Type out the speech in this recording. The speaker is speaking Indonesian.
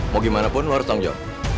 mau gimana pun lu harus nongjok